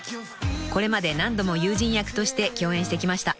［これまで何度も友人役として共演してきました］